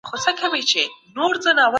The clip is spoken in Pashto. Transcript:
د ژوند حق د ټولو لپاره دی.